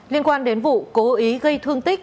liên quan đến vụ cố ý gây thương tích